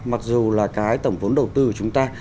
mặc dù là cái tổng vốn đầu tư của chúng ta